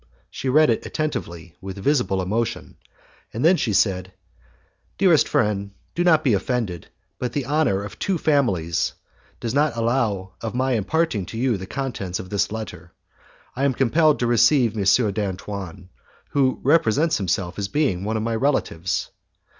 She read it attentively with visible emotion, and then she said, "Dearest friend, do not be offended, but the honour of two families does not allow of my imparting to you the contents of this letter. I am compelled to receive M. d'Antoine, who represents himself as being one of my relatives."